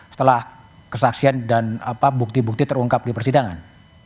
setelah kesaksian dan bukti bukti terungkap di persidangan